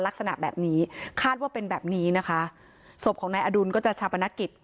ลักษณะแบบนี้คาดว่าเป็นแบบนี้นะคะศพของนายอดุลก็จะชาปนกิจ